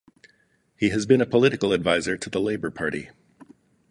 He has been a political adviser to the Labour Party.